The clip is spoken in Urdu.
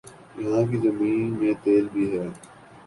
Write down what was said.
یہاں کی زمین میں تیل بھی ہے